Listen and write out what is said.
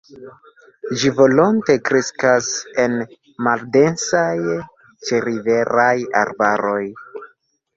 Ĝi volonte kreskas en maldensaj ĉeriveraj arbaroj.